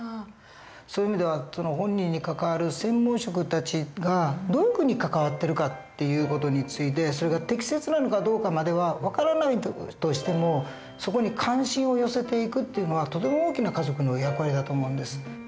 そういう意味では本人に関わる専門職たちがどういうふうに関わってるかっていう事についてそれが適切なのかどうかまでは分からないとしてもそこに関心を寄せていくっていうのはとても大きな家族の役割だと思うんです。